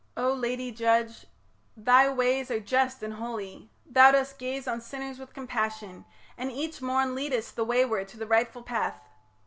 O Lady Judge, Thy ways are just and holy; thou dost gaze On sinners with compassion, and each morn Leadest the wayward to the rightful path.